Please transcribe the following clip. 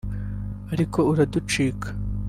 ariko araducika